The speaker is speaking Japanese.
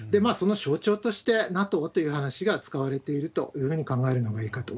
その象徴として、ＮＡＴＯという話が使われているというふうに考